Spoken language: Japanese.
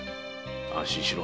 安心しろ。